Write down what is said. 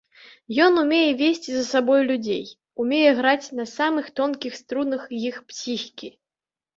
Ён умее весці за сабой людзей, умее граць на самых тонкіх струнах іх псіхікі.